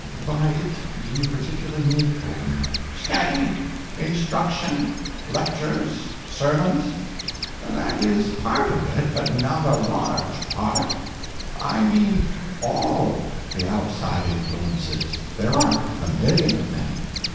By it do you particularly mean— Old Man. Study, instruction, lectures, sermons? That is a part of it—but not a large part. I mean _all _the outside influences. There are a million of them.